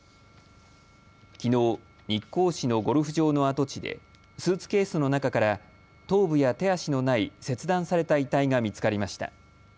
きのう日光市のゴルフ場の跡地でスーツケースの中から頭部や手足のない切断された遺体が見つかりました。